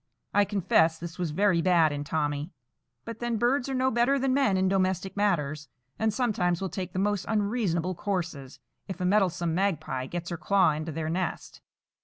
I confess this was very bad in Tommy; but then birds are no better than men in domestic matters, and sometimes will take the most unreasonable courses, if a meddlesome Magpie gets her claw into their nest.